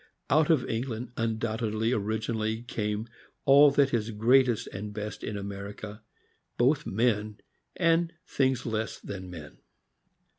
Out of England undoubtedly origi nally came all that is greatest and best in America, both men and things less than men.